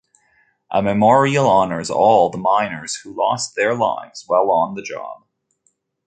A memorial honors all the miners who lost their lives while on the job.